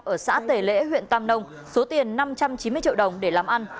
ở xã tề lễ huyện tam nông số tiền năm trăm chín mươi triệu đồng để làm ăn